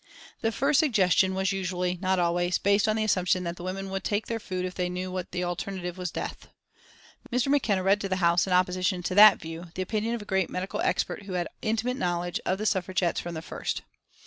The first suggestion was usually, not always, based on the assumption that the women would take their food if they knew that the alternative was death. Mr. McKenna read to the House in opposition to that view "the opinion of a great medical expert who had had intimate knowledge of the Suffragettes from the first."